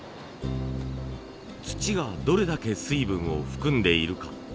土がどれだけ水分を含んでいるか。